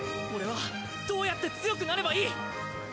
俺はどうやって強くなればいい？